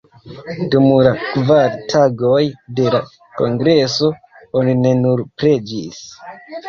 Dum la kvar tagoj de la kongreso oni ne nur preĝis.